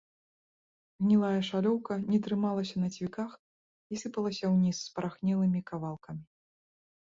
Гнілая шалёўка не трымалася на цвіках і сыпалася ўніз спарахнелымі кавалкамі.